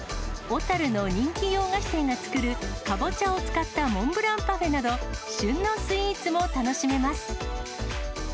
小樽の人気洋菓子店が作るカボチャを使ったモンブランパフェなど、旬のスイーツも楽しめます。